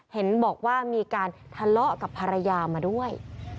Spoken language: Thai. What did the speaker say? เห็นบอกว่ามีการทะเลาะกับภรรยามาด้วย